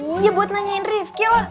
iya buat nanyain rifki lu